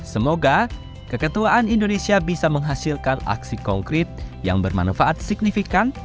semoga keketuaan indonesia bisa menghasilkan aksi konkret yang bermanfaat signifikan